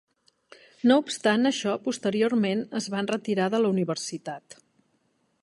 No obstant això, posteriorment es van retirar de la universitat.